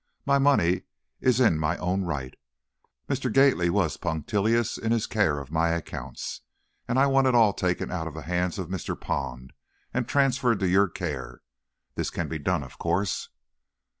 My money is in my own right. Mr. Gately was punctilious in his care of my accounts, and I want it all taken out of the hands of Mr. Pond and transferred to your care. This can be done, of course."